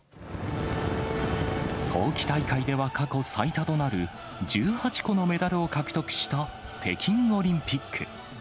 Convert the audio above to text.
冬季大会では過去最多となる、１８個のメダルを獲得した北京オリンピック。